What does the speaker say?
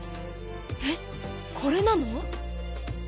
えっこれなの？